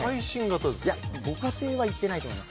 ご家庭には行ってないと思います。